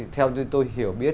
theo tôi hiểu biết